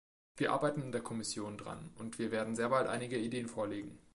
Wir arbeiten in der Kommission daran, und wir werden sehr bald einige Ideen vorlegen.